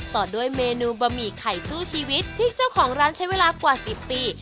ต่อด้วยเมนูบะหมี่ไข่สู้ชีวิตที่เจ้าของร้านใช้เวลากว่า๑๐ปี